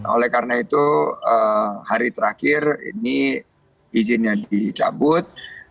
oleh karena itu hari terakhir ini izinnya dicabut